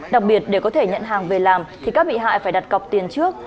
đặc biệt để có thể nhận hàng về làm thì các bị hại phải đặt cọc tiền trước